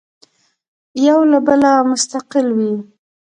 یو له بله مستقل وي.